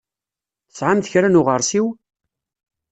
Tesɛamt kra n uɣeṛsiw?